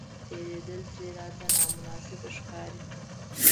تېرېدل ترې راته نامناسبه ښکاري.